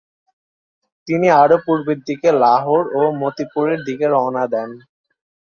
তিনি আরো পূর্বের দিকে লাহোর ও মতিপুরের দিকে রওনা দেন।